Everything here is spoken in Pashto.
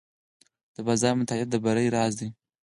د بازار مطالعه د بری راز دی.